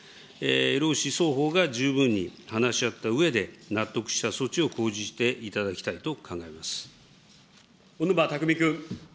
労使双方が十分に話し合ったうえで納得した措置を講じていただき小沼巧君。